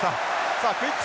さあクイック